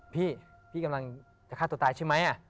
พี่พี่กำลังจะฆ่าตัวตายใช่ไหม